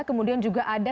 kemudian juga ada